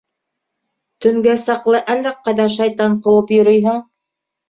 Төнгә саҡлы әллә ҡайҙа шайтан ҡыуып йөрөйһөң.